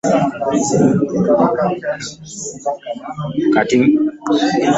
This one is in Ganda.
Kati ŋŋenda kubannyonnyola ki?